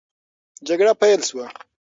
جګړه پیل سوه.